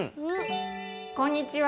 こんにちは。